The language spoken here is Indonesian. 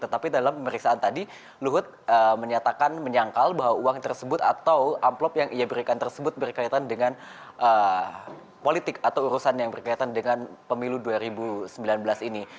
tetapi dalam pemeriksaan tadi luhut menyatakan menyangkal bahwa uang tersebut atau amplop yang ia berikan tersebut berkaitan dengan politik atau urusan yang berkaitan dengan pemilu dua ribu sembilan belas ini